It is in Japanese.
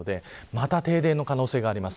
また停電の可能性があります。